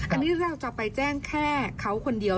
อันนี้เราจะไปแจ้งแค่เขาคนเดียว